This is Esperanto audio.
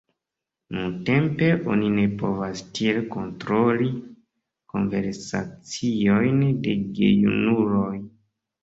Nuntempe oni ne povas tiel kontroli konversaciojn de gejunuloj.